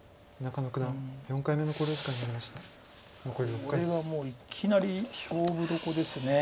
これはもういきなり勝負どこです。